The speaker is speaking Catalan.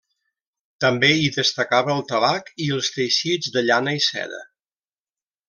També hi destacava el tabac i els teixits de llana i seda.